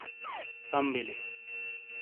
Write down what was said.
سم بلی۔